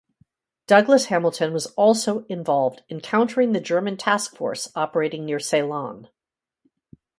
Douglas-Hamilton was also involved in countering the German task force operating near Ceylon.